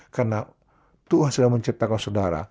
karena tuhan sudah menciptakan saudara